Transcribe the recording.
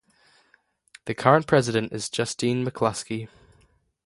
The current president is Justine McCluskey.